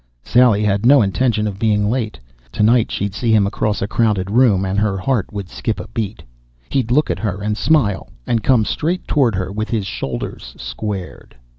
Sally had no intention of being late. Tonight she'd see him across a crowded room and her heart would skip a beat. He'd look at her and smile, and come straight toward her with his shoulders squared.